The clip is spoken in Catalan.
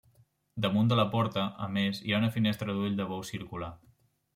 Damunt de la porta, a més, hi ha una finestra d'ull de bou circular.